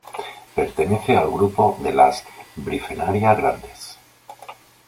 Pertenece al grupo de las "Bifrenaria" grandes.